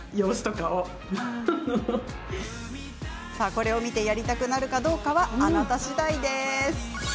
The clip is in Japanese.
これを見て、やりたくなるかどうかはあなた次第。